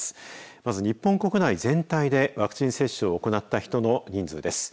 まず日本国内全体でワクチン接種を行った人の人数です。